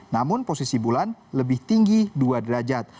namun posisi bulan lebih tinggi dua derajat